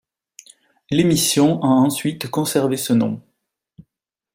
L'émission a ensuite conservé ce nom.